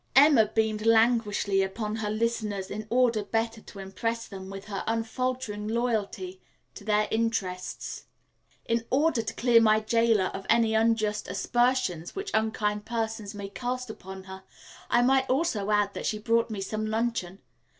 '" Emma beamed languishingly upon her listeners in order better to impress them with her unfaltering loyalty to their interests. "In order to clear my jailer of any unjust aspersions which unkind persons may cast upon her, I might also add that she brought me some luncheon.